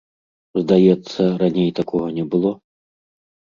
Здаецца, раней такога не было?